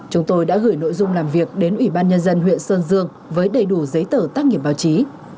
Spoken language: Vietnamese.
chúng tôi đã gửi nội dung làm việc đến ủy ban nhân dân huyện sơn dương với đầy đủ giấy tờ tác nghiệp báo chí